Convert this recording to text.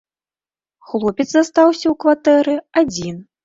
Хлопец застаўся ў кватэры адзін.